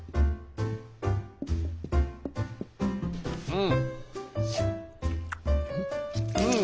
うん。